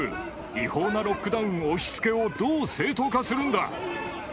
違法なロックダウン押しつけをどう正当化するんだ。